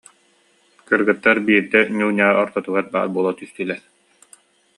Кыргыттар биирдэ ньуу-ньаа ортотугар баар буола түстүлэр